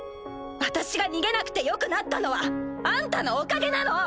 私が逃げなくてよくなったのはあんたのおかげなの！